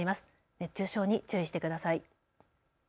熱中症に注意してください。